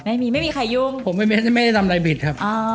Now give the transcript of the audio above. ไม่มีไม่มีใครยุ่งผมไม่ได้ทำอะไรผิดครับ